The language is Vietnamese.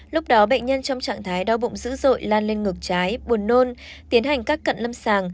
lúc đó bệnh nhân trong trạng thái đau bụng dữ dội lan lên ngực trái buồn nôn tiến hành các cận lâm sàng